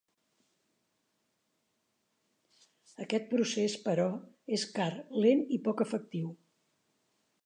Aquest procés, però, és car, lent i poc efectiu.